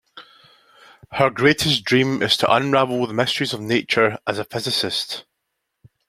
Her greatest dream is to unravel the mysteries of nature as a physicist.